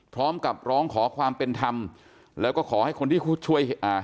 พร้อมกับร้องขอความเป็นธรรมแล้วก็ขอให้คนที่ช่วยอ่า